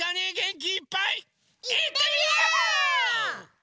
いってみよ！